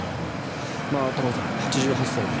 玉川さん８８歳です。